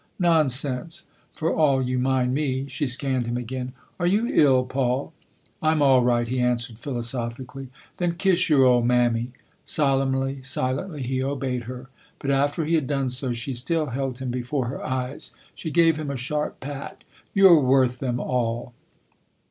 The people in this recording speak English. " Nonsense for all you mind me !" She scanned him again. " Are you ill, Paul ?"" I'm all right," he answered philosophically. " Then kiss your old mammy." Solemnly, silently he obeyed her ; but after he had done so she still held him before her eyes. She gave him a sharp pat. " You're worth them all